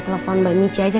karena kamu terserah